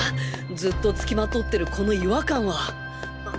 ずっと付きまとってるこの違和感はあ！？